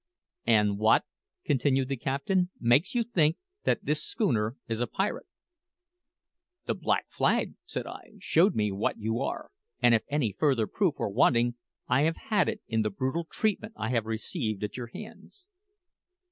"And what," continued the captain, "makes you think that this schooner is a pirate?" "The black flag," said I, "showed me what you are; and if any further proof were wanting, I have had it in the brutal treatment I have received at your hands."